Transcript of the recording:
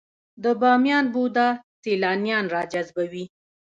د بامیان بودا سیلانیان راجذبوي؟